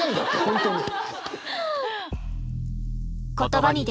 本当に。